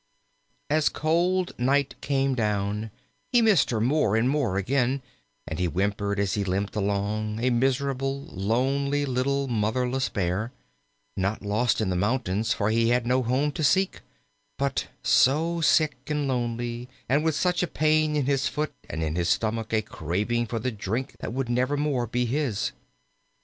As cold night came down, he missed her more and more again, and he whimpered as he limped along, a miserable, lonely, little, motherless Bear not lost in the mountains, for he had no home to seek, but so sick and lonely, and with such a pain in his foot and in his stomach a craving for the drink that would nevermore be his.